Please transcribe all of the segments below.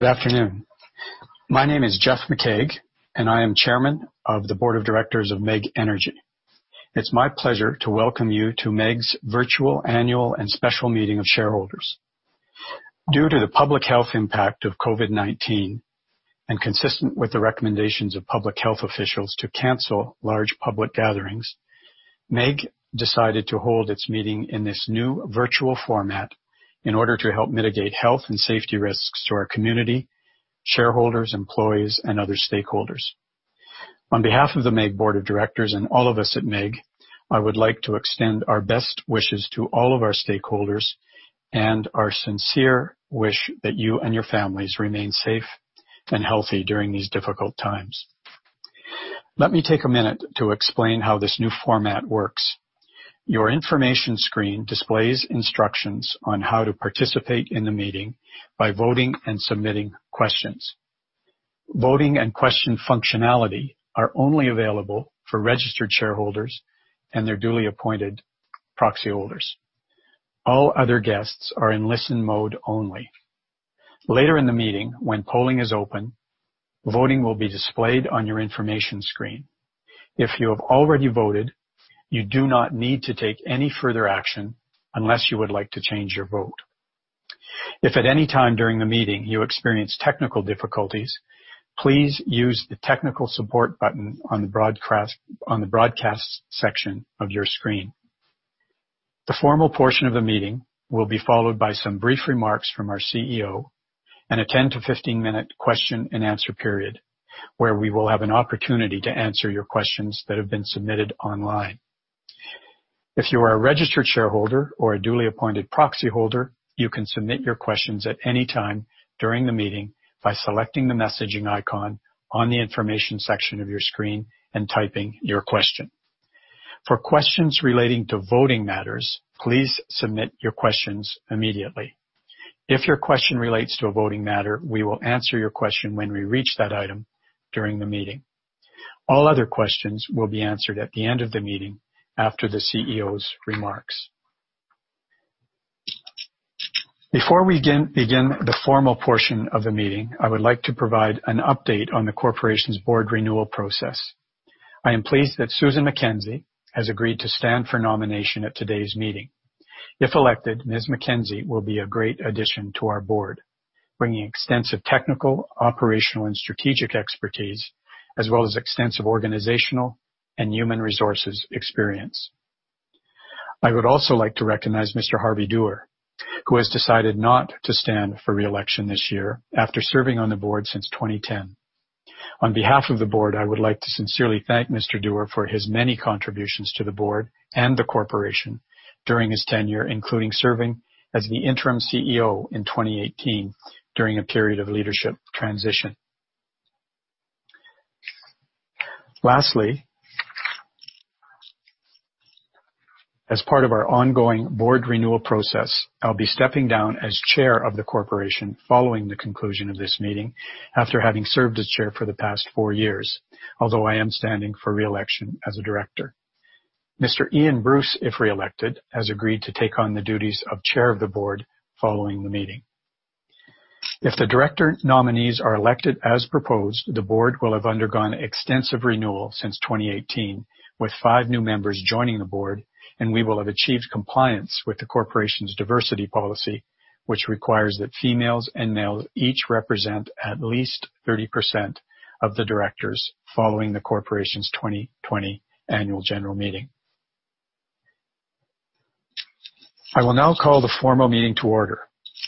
Good afternoon. My name is Jeff McCaig, and I am Chairman of the Board of Directors of MEG Energy. It's my pleasure to welcome you to MEG's virtual annual and special meeting of shareholders. Due to the public health impact of COVID-19, and consistent with the recommendations of public health officials to cancel large public gatherings, MEG decided to hold its meeting in this new virtual format in order to help mitigate health and safety risks to our community, shareholders, employees, and other stakeholders. On behalf of the MEG Board of Directors and all of us at MEG, I would like to extend our best wishes to all of our stakeholders and our sincere wish that you and your families remain safe and healthy during these difficult times. Let me take a minute to explain how this new format works. Your information screen displays instructions on how to participate in the meeting by voting and submitting questions. Voting and question functionality are only available for registered shareholders and their duly appointed proxy holders. All other guests are in listen mode only. Later in the meeting, when polling is open, voting will be displayed on your information screen. If you have already voted, you do not need to take any further action unless you would like to change your vote. If at any time during the meeting you experience technical difficulties, please use the technical support button on the broadcast section of your screen. The formal portion of the meeting will be followed by some brief remarks from our CEO and a 10-to-15-minute question-and-answer period where we will have an opportunity to answer your questions that have been submitted online. If you are a registered shareholder or a duly appointed proxy holder, you can submit your questions at any time during the meeting by selecting the messaging icon on the information section of your screen and typing your question. For questions relating to voting matters, please submit your questions immediately. If your question relates to a voting matter, we will answer your question when we reach that item during the meeting. All other questions will be answered at the end of the meeting after the CEO's remarks. Before we begin the formal portion of the meeting, I would like to provide an update on the corporation's board renewal process. I am pleased that Susan M. MacKenzie has agreed to stand for nomination at today's meeting. If elected, Ms. MacKenzie will be a great addition to our board, bringing extensive technical, operational, and strategic expertise, as well as extensive organizational and human resources experience. I would also like to recognize Mr. Harvey Doerr, who has decided not to stand for re-election this year after serving on the board since 2010. On behalf of the board, I would like to sincerely thank Mr. Doerr for his many contributions to the board and the corporation during his tenure, including serving as the interim CEO in 2018 during a period of leadership transition. Lastly, as part of our ongoing board renewal process, I'll be stepping down as chair of the corporation following the conclusion of this meeting after having served as chair for the past four years, although I am standing for re-election as a director. Mr. Ian Bruce, if re-elected, has agreed to take on the duties of chair of the board following the meeting. If the director nominees are elected as proposed, the board will have undergone extensive renewal since 2018, with five new members joining the board, and we will have achieved compliance with the corporation's diversity policy, which requires that females and males each represent at least 30% of the directors following the corporation's 2020 annual general meeting. I will now call the formal meeting to order.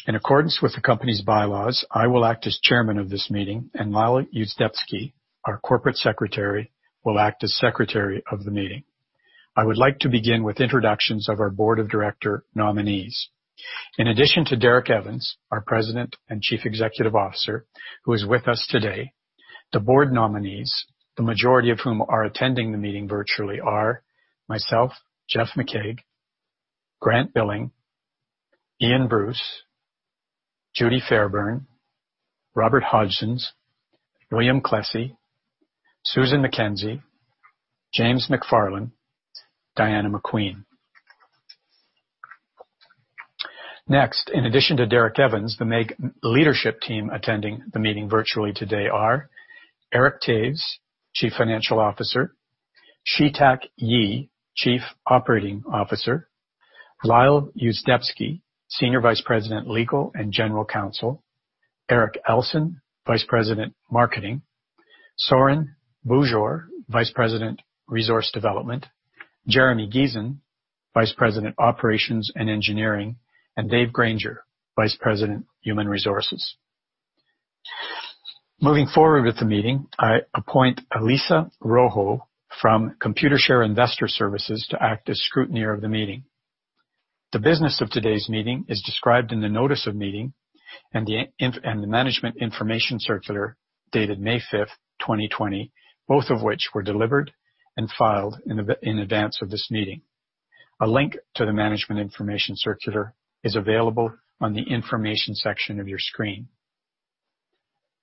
In accordance with the company's bylaws, I will act as chairman of this meeting, and Lyle Yuzdepski, our corporate secretary, will act as secretary of the meeting. I would like to begin with introductions of our board of director nominees. In addition to Derek Evans, our President and Chief Executive Officer, who is with us today, the board nominees, the majority of whom are attending the meeting virtually, are myself, Jeff McCaig, Grant Billing, Ian Bruce, Judy Fairburn, Robert Hodgins, William Klesse, Susan MacKenzie, James McFarland, Diana McQueen. Next, in addition to Derek Evans, the MEG leadership team attending the meeting virtually today are Eric Toews, Chief Financial Officer, Chi-Tak Yee, Chief Operating Officer, Lyle Yuzdepski, Senior Vice President, Legal and General Counsel, Erik Alson, Vice President, Marketing, Sorin Bujor, Vice President, Resource Development, Jeremy Giesen, Vice President, Operations and Engineering, and Dave Granger, Vice President, Human Resources. Moving forward with the meeting, I appoint Alisa Rojo from Computershare Investor Services to act as scrutineer of the meeting. The business of today's meeting is described in the notice of meeting and the management information circular dated May 5, 2020, both of which were delivered and filed in advance of this meeting. A link to the management information circular is available on the information section of your screen.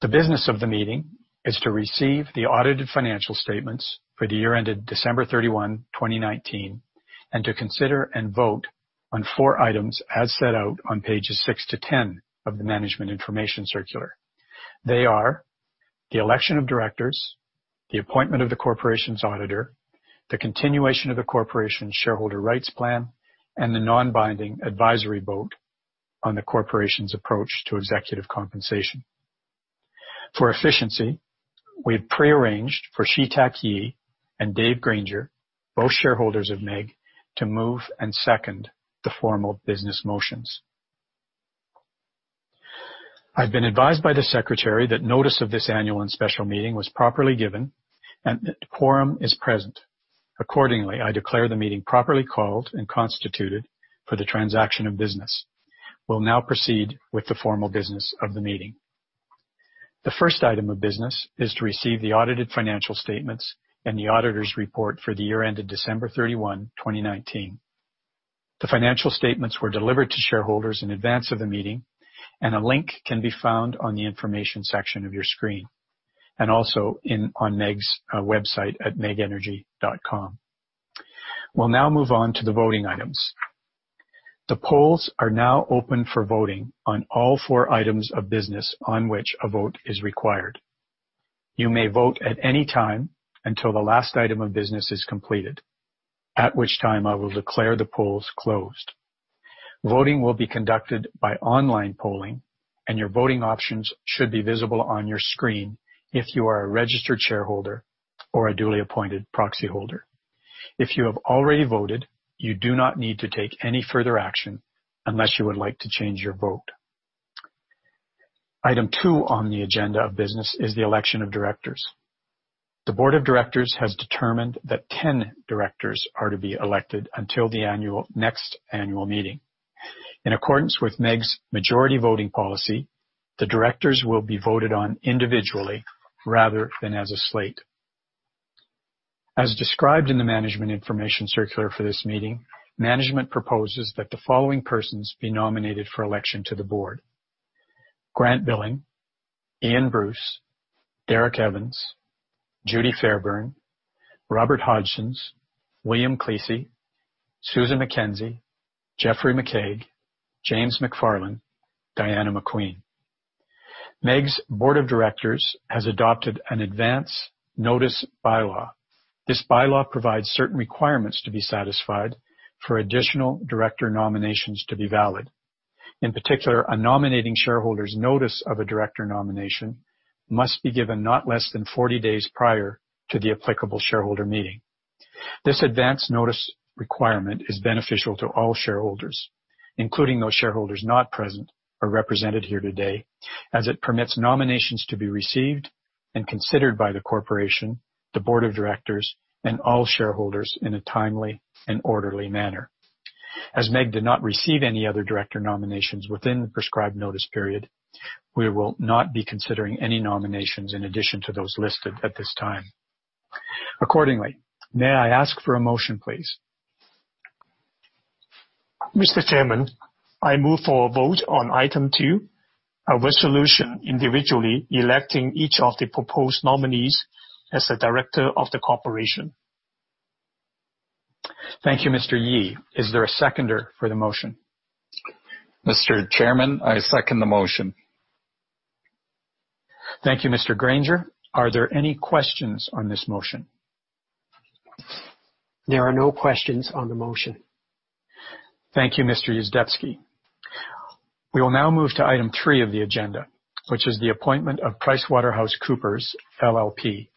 The business of the meeting is to receive the audited financial statements for the year ended December 31, 2019, and to consider and vote on four items as set out on pages 6 - 10 of the management information circular. They are the election of directors, the appointment of the corporation's auditor, the continuation of the corporation's shareholder rights plan, and the non-binding advisory vote on the corporation's approach to executive compensation. For efficiency, we've pre-arranged for Chi-Tak Yee and Dave Granger, both shareholders of MEG, to move and second the formal business motions. I've been advised by the secretary that notice of this annual and special meeting was properly given and that quorum is present. Accordingly, I declare the meeting properly called and constituted for the transaction of business. We'll now proceed with the formal business of the meeting. The first item of business is to receive the audited financial statements and the auditor's report for the year ended December 31, 2019. The financial statements were delivered to shareholders in advance of the meeting, and a link can be found on the information section of your screen, and also on MEG's website at megenergy.com. We'll now move on to the voting items. The polls are now open for voting on all four items of business on which a vote is required. You may vote at any time until the last item of business is completed, at which time I will declare the polls closed. Voting will be conducted by online polling, and your voting options should be visible on your screen if you are a registered shareholder or a duly appointed proxyholder. If you have already voted, you do not need to take any further action unless you would like to change your vote. Item two on the agenda of business is the election of directors. The board of directors has determined that 10 directors are to be elected until the next annual meeting. In accordance with MEG's majority voting policy, the directors will be voted on individually rather than as a slate. As described in the management information circular for this meeting, management proposes that the following persons be nominated for election to the board. Grant Billing, Ian Bruce, Derek Evans, Judy Fairburn, Robert Hodgins, William Klesse, Susan MacKenzie, Jeffrey McCaig, James McFarland, Diana McQueen. MEG's board of directors has adopted an advance notice bylaw. This bylaw provides certain requirements to be satisfied for additional director nominations to be valid. In particular, a nominating shareholder's notice of a director nomination must be given not less than 40 days prior to the applicable shareholder meeting. This advance notice requirement is beneficial to all shareholders, including those shareholders not present or represented here today, as it permits nominations to be received and considered by the corporation, the board of directors, and all shareholders in a timely and orderly manner. As MEG did not receive any other director nominations within the prescribed notice period, we will not be considering any nominations in addition to those listed at this time. Accordingly, may I ask for a motion, please? Mr. Chairman, I move for a vote on item two, a resolution individually electing each of the proposed nominees as a director of the corporation. Thank you, Mr. Yee. Is there a seconder for the motion? Mr. Chairman, I second the motion. Thank you, Mr. Granger. Are there any questions on this motion? There are no questions on the motion. Thank you, Mr. Yuzdepski. We will now move to item three of the agenda, which is the appointment of PricewaterhouseCoopers LLP,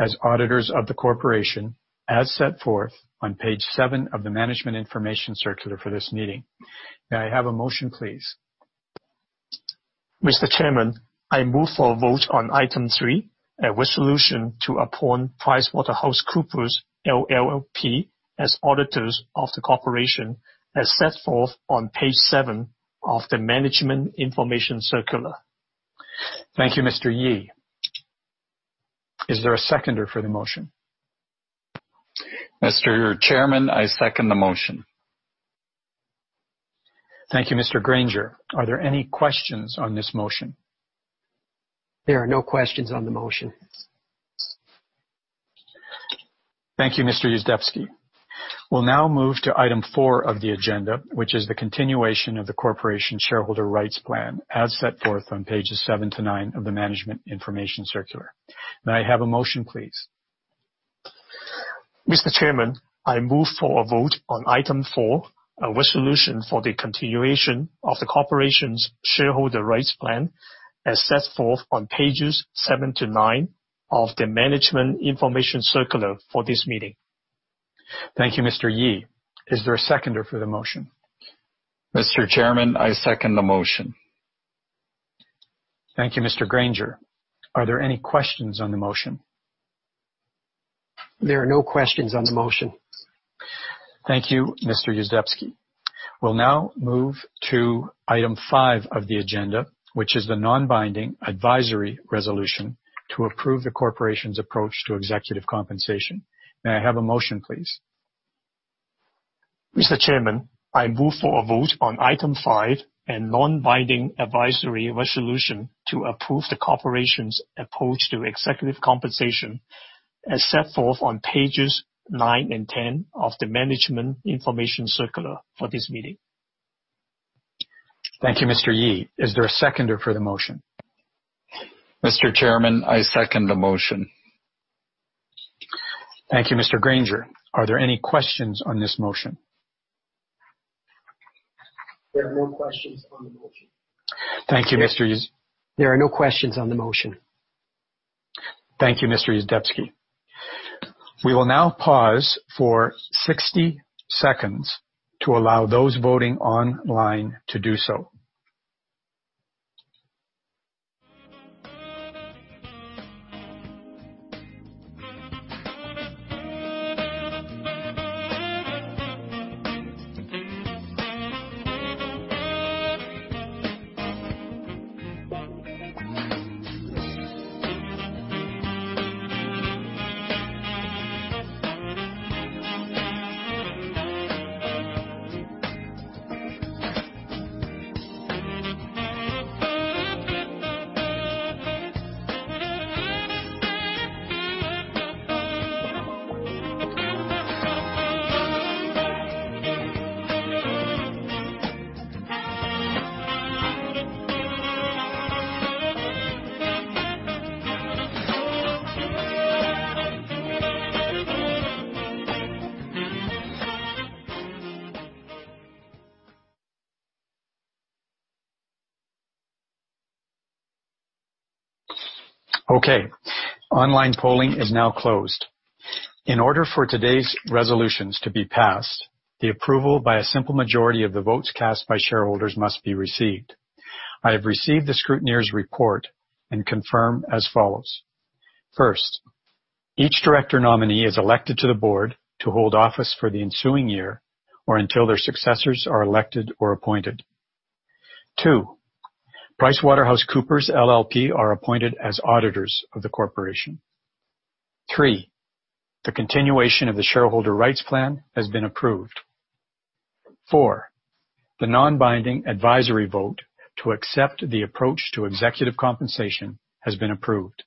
as auditors of the corporation, as set forth on page seven of the management information circular for this meeting. May I have a motion, please? Mr. Chairman, I move for a vote on item three. A resolution to appoint PricewaterhouseCoopers LLP, as auditors of the corporation, as set forth on page seven of the management information circular. Thank you, Mr. Yee. Is there a seconder for the motion? Mr. Chairman, I second the motion. Thank you, Mr. Granger. Are there any questions on this motion? There are no questions on the motion. Thank you, Mr. Yuzdepski. We'll now move to item four of the agenda, which is the continuation of the corporation shareholder rights plan, as set forth on pages seven to nine of the management information circular. May I have a motion, please? Mr. Chairman, I move for a vote on item four. A resolution for the continuation of the corporation's shareholder rights plan, as set forth on pages seven to nine of the management information circular for this meeting. Thank you, Mr. Yee. Is there a seconder for the motion? Mr. Chairman, I second the motion. Thank you, Mr. Granger. Are there any questions on the motion? There are no questions on the motion. Thank you, Mr. Yuzdepski. We'll now move to item five of the agenda, which is the non-binding advisory resolution to approve the corporation's approach to executive compensation. May I have a motion, please? Mr. Chairman I move for a vote on item five, a non-binding advisory resolution to approve the corporation's approach to executive compensation as set forth on pages nine and 10 of the management information circular for this meeting. Thank you, Mr. Yee. Is there a seconder for the motion? Mr. Chairman, I second the motion. Thank you, Mr. Granger. Are there any questions on this motion? There are no questions on the motion. Thank you, Mr. Yuz- There are no questions on the motion. Thank you, Mr. Yuzdepski. We will now pause for 60 seconds to allow those voting online to do so. Online polling is now closed. In order for today's resolutions to be passed, the approval by a simple majority of the votes cast by shareholders must be received. I have received the scrutineer's report and confirm as follows. First, each director nominee is elected to the board to hold office for the ensuing year or until their successors are elected or appointed. Two, PricewaterhouseCoopers LLP are appointed as auditors of the corporation. Three, the continuation of the shareholder rights plan has been approved. Four, the non-binding advisory vote to accept the approach to executive compensation has been approved.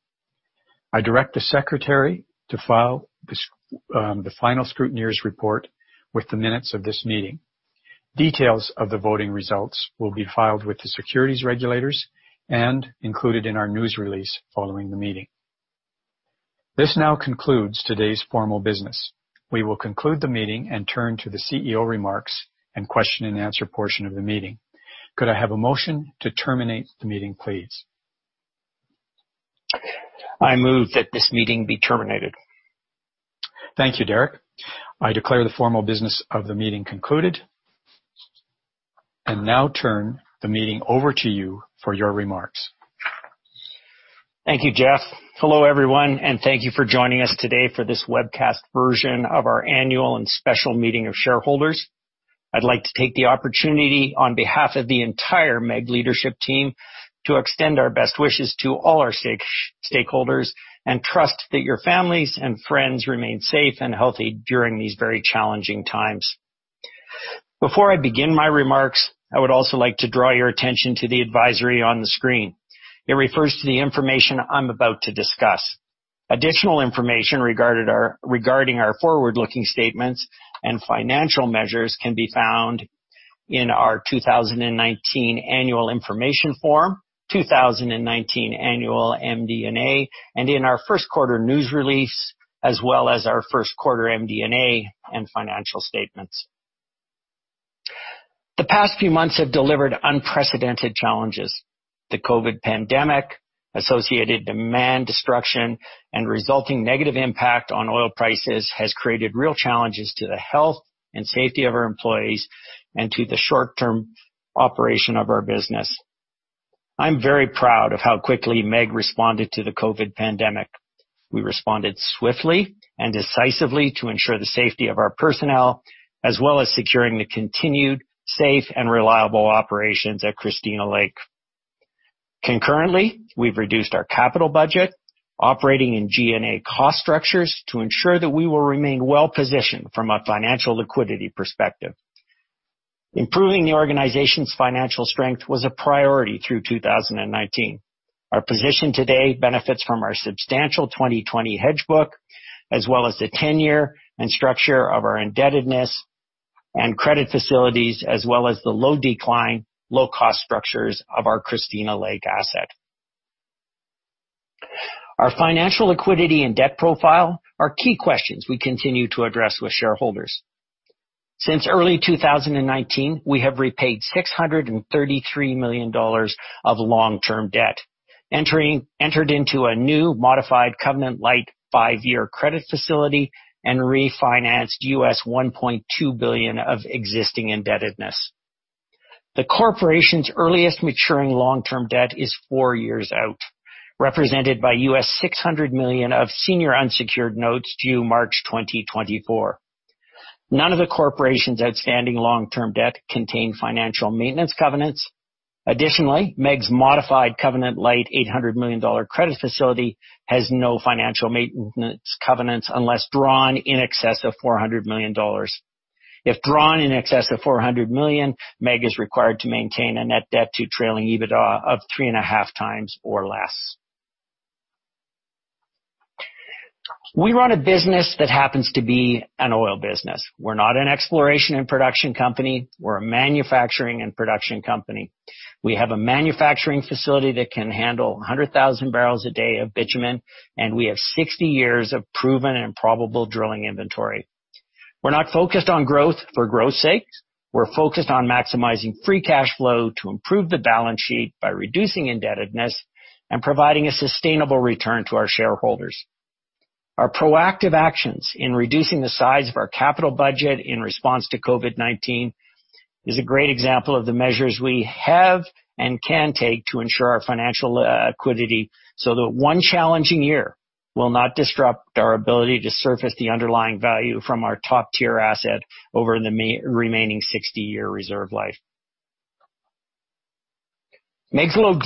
I direct the secretary to file the final scrutineer's report with the minutes of this meeting. Details of the voting results will be filed with the securities regulators and included in our news release following the meeting. This now concludes today's formal business. We will conclude the meeting and turn to the CEO remarks and question and answer portion of the meeting. Could I have a motion to terminate the meeting, please? I move that this meeting be terminated. Thank you, Derek. I declare the formal business of the meeting concluded, and now turn the meeting over to you for your remarks. Thank you, Jeff. Hello, everyone, and thank you for joining us today for this webcast version of our annual and special meeting of shareholders. I'd like to take the opportunity on behalf of the entire MEG leadership team to extend our best wishes to all our stakeholders and trust that your families and friends remain safe and healthy during these very challenging times. Before I begin my remarks, I would also like to draw your attention to the advisory on the screen. It refers to the information I'm about to discuss. Additional information regarding our forward-looking statements and financial measures can be found in our 2019 Annual Information Form, 2019 Annual MD&A, and in our first quarter news release, as well as our first quarter MD&A and financial statements. The past few months have delivered unprecedented challenges. The COVID pandemic, associated demand destruction, and resulting negative impact on oil prices has created real challenges to the health and safety of our employees and to the short-term operation of our business. I'm very proud of how quickly MEG responded to the COVID pandemic. We responded swiftly and decisively to ensure the safety of our personnel, as well as securing the continued safe and reliable operations at Christina Lake. Concurrently, we've reduced our capital budget, operating and G&A cost structures to ensure that we will remain well-positioned from a financial liquidity perspective. Improving the organization's financial strength was a priority through 2019. Our position today benefits from our substantial 2020 hedge book, as well as the tenure and structure of our indebtedness and credit facilities, as well as the low-decline, low-cost structures of our Christina Lake asset. Our financial liquidity and debt profile are key questions we continue to address with shareholders. Since early 2019, we have repaid 633 million dollars of long-term debt, entered into a new modified covenant-lite five-year credit facility, and refinanced $1.2 billion of existing indebtedness. The corporation's earliest maturing long-term debt is four years out, represented by $600 million of senior unsecured notes due March 2024. None of the corporation's outstanding long-term debt contain financial maintenance covenants. Additionally, MEG's modified covenant lite 800 million dollar credit facility has no financial maintenance covenants unless drawn in excess of 400 million dollars. If drawn in excess of 400 million, MEG is required to maintain a net debt to trailing EBITDA of three and a half times or less. We run a business that happens to be an oil business. We're not an exploration and production company. We're a manufacturing and production company. We have a manufacturing facility that can handle 100,000 barrels a day of bitumen, and we have 60 years of proven and probable drilling inventory. We're not focused on growth for growth's sake. We're focused on maximizing free cash flow to improve the balance sheet by reducing indebtedness and providing a sustainable return to our shareholders. Our proactive actions in reducing the size of our capital budget in response to COVID-19 is a great example of the measures we have and can take to ensure our financial liquidity so that one challenging year will not disrupt our ability to surface the underlying value from our top-tier asset over the remaining 60-year reserve life. MEG's low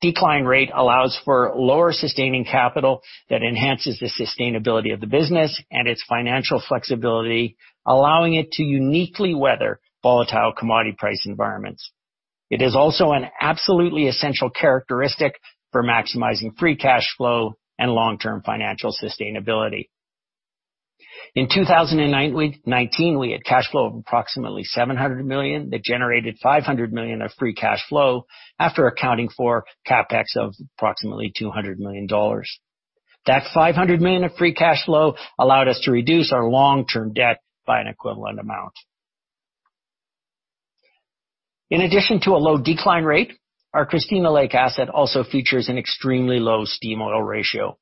decline rate allows for lower sustaining capital that enhances the sustainability of the business and its financial flexibility, allowing it to uniquely weather volatile commodity price environments. It is also an absolutely essential characteristic for maximizing free cash flow and long-term financial sustainability. In 2019, we had cash flow of approximately 700 million that generated 500 million of free cash flow after accounting for CapEx of approximately 200 million dollars. That 500 million of free cash flow allowed us to reduce our long-term debt by an equivalent amount. In addition to a low decline rate, our Christina Lake asset also features an extremely low steam oil ratio.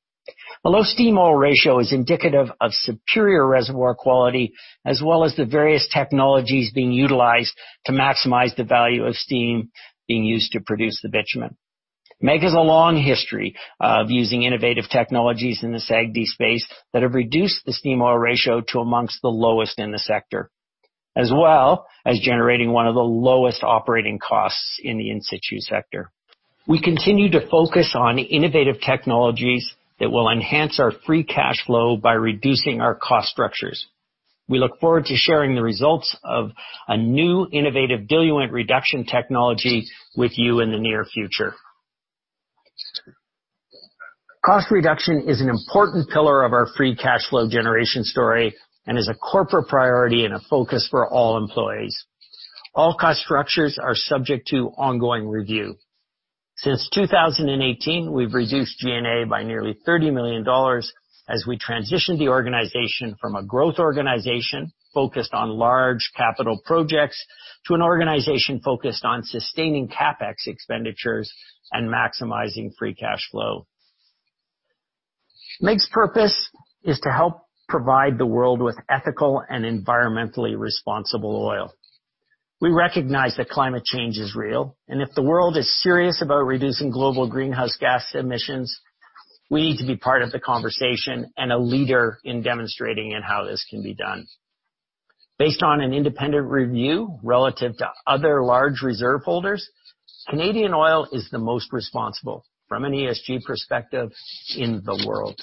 A low steam oil ratio is indicative of superior reservoir quality, as well as the various technologies being utilized to maximize the value of steam being used to produce the bitumen. MEG has a long history of using innovative technologies in the SAGD space that have reduced the steam oil ratio to amongst the lowest in the sector, as well as generating one of the lowest operating costs in the in-situ sector. We continue to focus on innovative technologies that will enhance our free cash flow by reducing our cost structures. We look forward to sharing the results of a new innovative diluent reduction technology with you in the near future. Cost reduction is an important pillar of our free cash flow generation story and is a corporate priority and a focus for all employees. All cost structures are subject to ongoing review. Since 2018, we've reduced G&A by nearly 30 million dollars as we transition the organization from a growth organization focused on large capital projects to an organization focused on sustaining CapEx expenditures and maximizing free cash flow. MEG's purpose is to help provide the world with ethical and environmentally responsible oil. We recognize that climate change is real, and if the world is serious about reducing global greenhouse gas emissions, we need to be part of the conversation and a leader in demonstrating in how this can be done. Based on an independent review relative to other large reserve holders, Canadian oil is the most responsible from an ESG perspective in the world.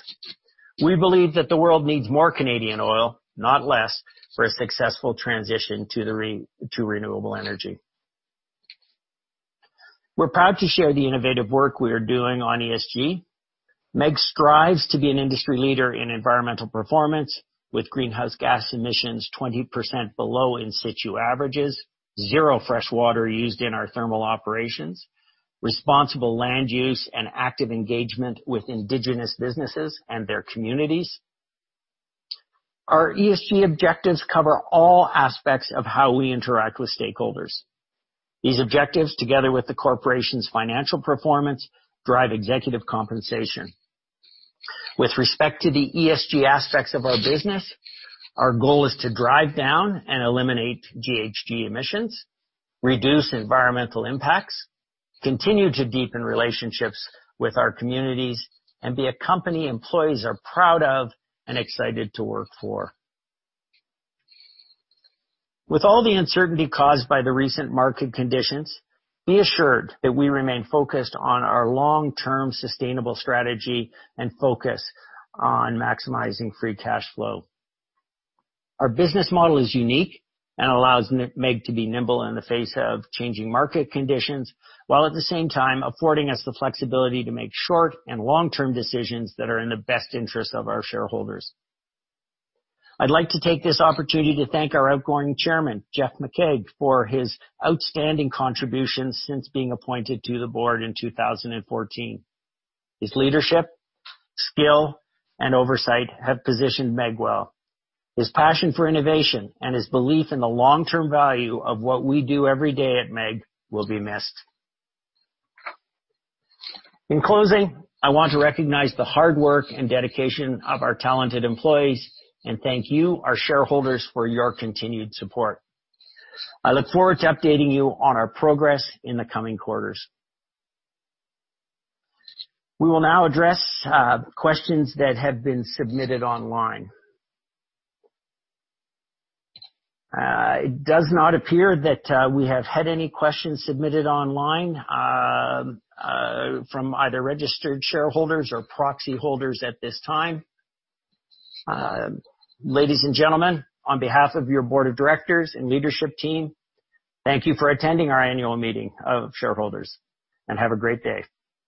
We believe that the world needs more Canadian oil, not less, for a successful transition to renewable energy. We're proud to share the innovative work we are doing on ESG. MEG strives to be an industry leader in environmental performance with greenhouse gas emissions 20% below in-situ averages, zero freshwater used in our thermal operations, responsible land use, and active engagement with indigenous businesses and their communities. Our ESG objectives cover all aspects of how we interact with stakeholders. These objectives, together with the corporation's financial performance, drive executive compensation. With respect to the ESG aspects of our business, our goal is to drive down and eliminate GHG emissions, reduce environmental impacts, continue to deepen relationships with our communities, and be a company employees are proud of and excited to work for. With all the uncertainty caused by the recent market conditions, be assured that we remain focused on our long-term sustainable strategy and focused on maximizing free cash flow. Our business model is unique and allows MEG to be nimble in the face of changing market conditions, while at the same time affording us the flexibility to make short and long-term decisions that are in the best interest of our shareholders. I'd like to take this opportunity to thank our outgoing chairman, Jeff McCaig, for his outstanding contributions since being appointed to the board in 2014. His leadership, skill, and oversight have positioned MEG well. His passion for innovation and his belief in the long-term value of what we do every day at MEG will be missed. In closing, I want to recognize the hard work and dedication of our talented employees and thank you, our shareholders, for your continued support. I look forward to updating you on our progress in the coming quarters. We will now address questions that have been submitted online. It does not appear that we have had any questions submitted online from either registered shareholders or proxy holders at this time. Ladies and gentlemen, on behalf of your board of directors and leadership team, thank you for attending our annual meeting of shareholders, and have a great day.